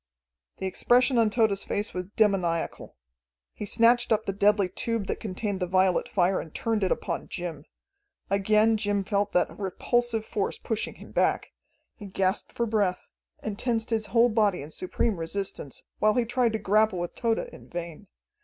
The expression on Tode's face was demoniacal. He snatched up the deadly tube that contained the violet fire and turned it upon Jim. Again Jim felt that repulsive force pushing him back. He gasped for breath, and tensed his whole body in supreme resistance, while he tried to grapple with Tode in vain.